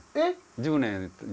１０年弱。